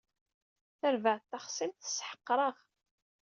Tarbaɛt taxṣimt tesseḥqer-aɣ.